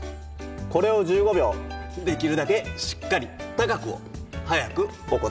これを１５秒できるだけしっかり高くを速く行います。